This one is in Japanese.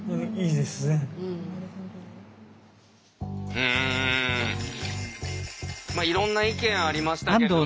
うんいろんな意見ありましたけれども。